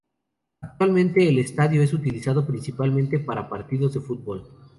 Actualmente el estadio es utilizado principalmente para partidos de fútbol.